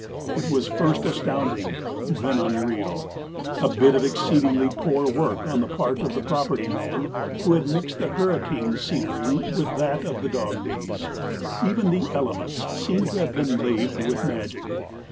It was first astounding, then unreal: a bit of exceedingly poor work on the part of the property man, who had mixed the hurricane scenery with that of the dog days. Even the elements seemed to have been laved with magic.